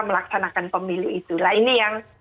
melaksanakan pemilu itu nah ini yang